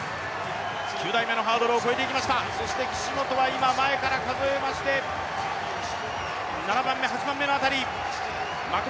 そして岸本は今、前から数えまして７８番目の辺り。